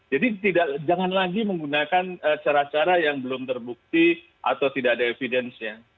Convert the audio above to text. jadi jangan lagi menggunakan cara cara yang belum terbukti atau tidak ada evidence nya